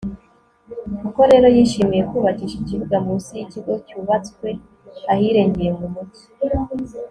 koko rero, yishimiye kubakisha ikibuga mu nsi y'ikigo cyubatswe ahirengeye mu mugi